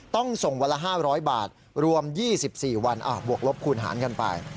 ต้องส่งวันละ๕๐๐บาทรวม๒๔วันบวกลบคูณหารกันไป